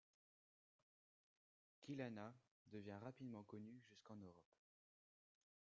Kill Hannah devient rapidement connu jusqu'en Europe.